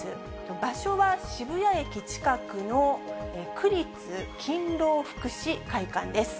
場所は渋谷駅近くの区立勤労福祉会館です。